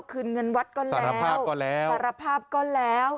คืนเงินวัดก็แล้วภาพก็แล้วสารภาพก็แล้ว